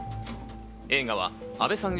映画は阿部さん